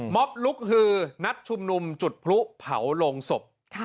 ลุกฮือนัดชุมนุมจุดพลุเผาลงศพ